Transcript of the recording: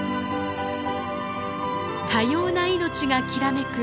多様な命がきらめく